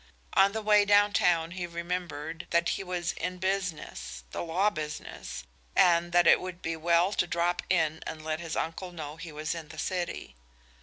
On the way downtown he remembered that he was in business, the law business and that it would be well to drop in and let his uncle know he was in the city.